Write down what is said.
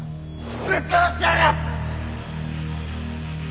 ぶっ殺してやる！